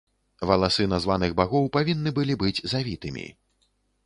Валасы названых багоў павінны былі быць завітымі.